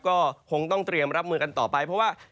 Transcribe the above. คงต้องเตรียมรับมือกันต่อไป